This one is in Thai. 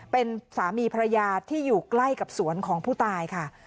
เป็นสามีภรรยาที่อยู่ใกล้กับสวนของผู้ตายค่ะ